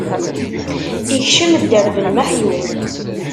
Ikcem dderb n meḥyu.